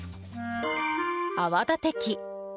泡立て器。